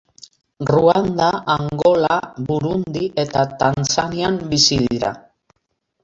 Ruanda, Angola, Burundi eta Tanzanian bizi dira.